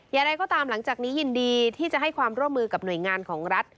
อย่างไรก็ตามหลังจากนี้ยินดีที่จะให้ความร่วมมือกับหน่วยงานของรัฐ